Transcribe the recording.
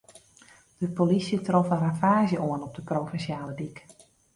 De polysje trof in ravaazje oan op de provinsjale dyk.